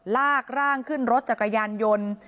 ลากร่างขึ้นรถจักรยานยนต์